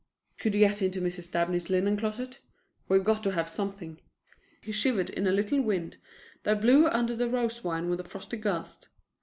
"Could you get into Mrs. Dabney's linen closet? We've got to have something." He shivered in a little wind that blew under the rose vine with a frosty gust.